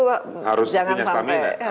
harus punya stamina